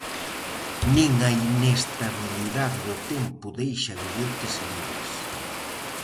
Nin a inestabilidade do tempo deixa billetes libres.